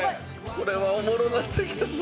これはおもろなってきたぞ。